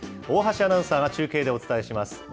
大橋アナウンサーが中継でお伝えします。